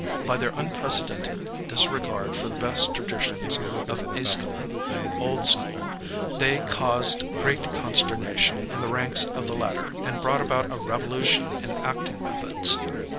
By their unprecedented disre gard for the best traditions '^ of the jEschylean old school,'* they caused great consternation in the ranks of the latter and brought about a revolution in acting methods.